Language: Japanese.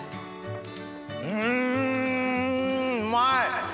うんうまい！